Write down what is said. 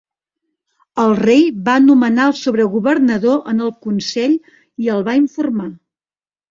El rei va nomenar el sobregovernador en el Consell i el va informar.